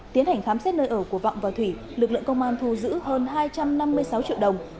tiến hành khám xét nơi ở của vọng và thủy lực lượng công an thu giữ hơn hai trăm năm mươi sáu triệu đồng